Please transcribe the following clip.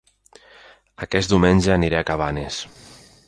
Aquest diumenge aniré a Cabanes